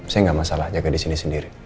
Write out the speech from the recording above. saya nggak masalah jaga di sini sendiri